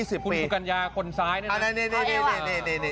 นี่คุณสุกัญญาคนซ้ายนี่นะ